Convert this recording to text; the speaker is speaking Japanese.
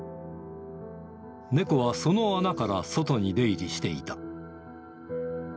猫はその穴から外に出入りしていた。